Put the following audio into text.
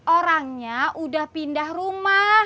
orangnya udah pindah rumah